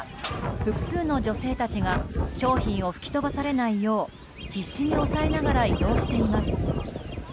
複数の女性たちが商品を吹き飛ばされないよう必死に押さえながら移動しています。